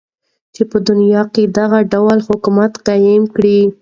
چی په دنیا کی دغه ډول حکومت قایم کړی.